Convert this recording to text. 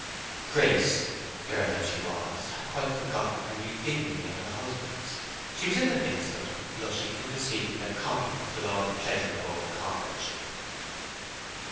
Grace, girl that she was, had quite forgotten her new dignity and her husband's; she was in the midst of them, blushing, and receiving their compliments with all the pleasure of old comradeship.